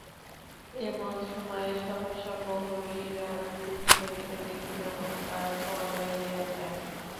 এমন সময়ে সহসা প্রহরীরা দূর হইতে দেখিল, নৌকা পলাইয়া যায়।